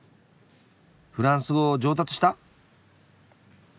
フランス語上達した？